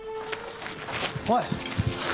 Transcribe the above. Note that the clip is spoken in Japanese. おい！